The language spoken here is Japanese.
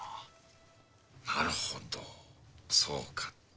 なるほどそうか。